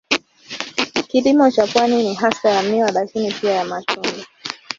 Kilimo cha pwani ni hasa ya miwa lakini pia ya matunda.